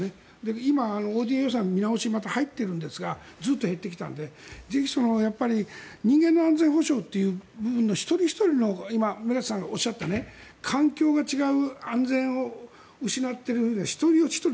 今、ＯＤＡ予算見直しにまた入っているんですがずっと減ってきたのでぜひ人間の安全保障という部分の一人ひとりの今、目加田さんがおっしゃった環境が違う、安全を失っている一人ひとり